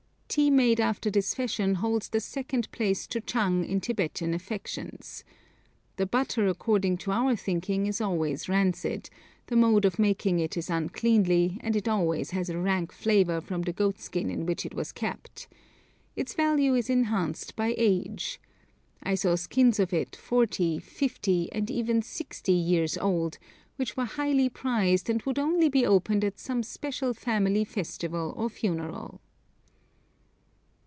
Tea made after this fashion holds the second place to chang in Tibetan affections. The butter according to our thinking is always rancid, the mode of making it is uncleanly, and it always has a rank flavour from the goatskin in which it was kept. Its value is enhanced by age. I saw skins of it forty, fifty, and even sixty years old, which were very highly prized, and would only be opened at some special family festival or funeral.